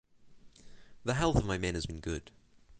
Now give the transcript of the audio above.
The health of my men has been good.